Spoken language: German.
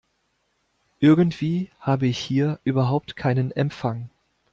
Irgendwie habe ich hier überhaupt keinen Empfang.